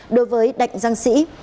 đối với đạnh giang sĩ